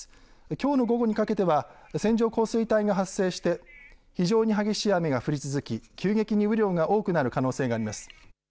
きょうの午後にかけては線状降水帯が発生して非常に激しい雨が降り続き急激に雨量が多くなる可能性があります。